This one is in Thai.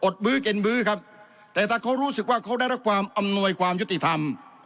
มื้อกินมื้อครับแต่ถ้าเขารู้สึกว่าเขาได้รับความอำนวยความยุติธรรม